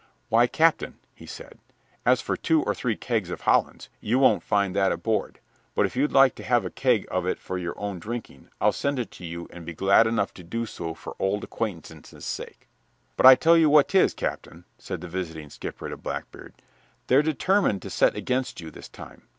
"Why, Captain," he said, "as for two or three kegs of Hollands, you won't find that aboard. But if you'd like to have a keg of it for your own drinking, I'll send it to you and be glad enough to do so for old acquaintance' sake." "But I tell you what 'tis, Captain," said the visiting skipper to Blackbeard, "they're determined and set against you this time.